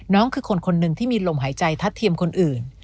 คือคนคนหนึ่งที่มีลมหายใจทัดเทียมคนอื่น